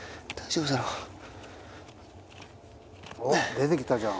出てきたじゃん。